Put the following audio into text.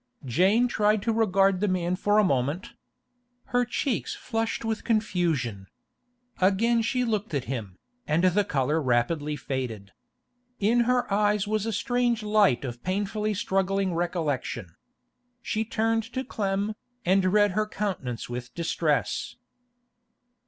Jane tried to regard the man for a moment. Her cheeks flushed with confusion. Again she looked at him, and the colour rapidly faded. In her eyes was a strange light of painfully struggling recollection. She turned to Clem, and read her countenance with distress.